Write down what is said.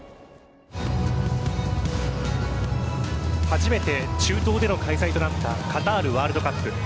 初めて中東での開催となったカタールワールドカップ。